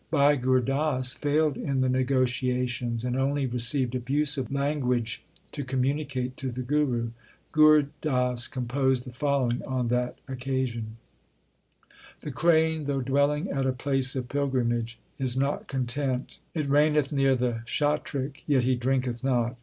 Bhai Gur Das failed in the negotiations, and only received abusive language to communicate to the Guru. Gur Das composed the following on that occasion : The crane, though dwelling at a place of pilgrimage, is not content. It raineth near the chatrik, yet he drinketh not.